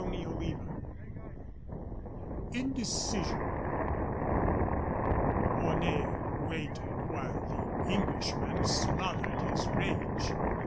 CHAPTER V INDECISION Mornay waited while the Englishman smothered his rage.